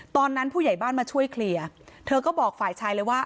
ตอนนั้นผู้ใหญ่บ้านมาช่วยเคลียร์เธอก็บอกฝ่ายชายเลยว่า